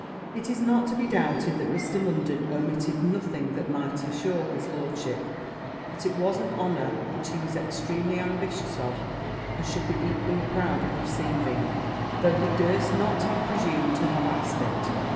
It is not to be doubted but that Mr. Munden omitted nothing that might assure his lordship, that it was an honour which he was extremely ambitious of, and should be equally proud of receiving, though he durst not have presumed to have asked it.